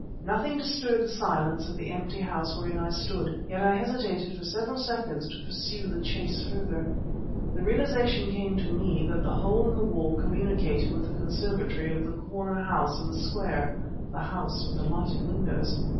Nothing disturbed the silence of the empty house wherein I stood; yet I hesitated for several seconds to pursue the chase further. The realization came to me that the hole in the wall communicated with the conservatory of the corner house in the square, the house with the lighted windows.